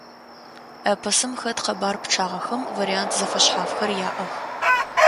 Эпосым хэт къэбар пчъагъэхэм вариант зэфэшъхьафхэр яӏэх.